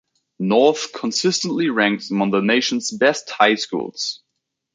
North consistently ranks among the nation's best high schools.